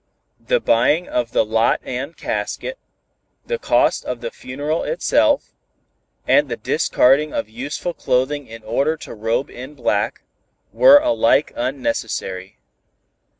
The buying of the lot and casket, the cost of the funeral itself, and the discarding of useful clothing in order to robe in black, were alike unnecessary.